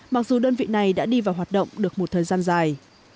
mặc dù đơn vị này đã đi vào hoạt động được một thời gian dài